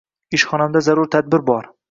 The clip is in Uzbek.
Ishxonamda zarur tadbir bor